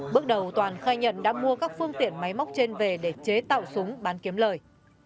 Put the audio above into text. bước đầu toàn khai nhận đã mua các phương tiện máy móc trên về để chế tạo súng bán kiếm lời